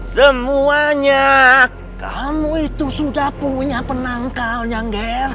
semuanya kamu itu sudah punya penangkan